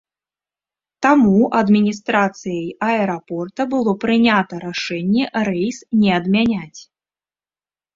Таму адміністрацыяй аэрапорта было прынята рашэнне рэйс не адмяняць.